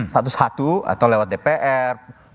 satu satu atau lewat dpr